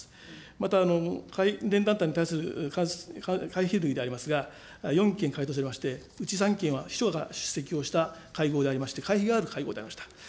また、関連団体に関する会費類でありますが、４件回答しておりまして、うち３件は秘書が出席をした、会合でありまして、会費がある会合でありました。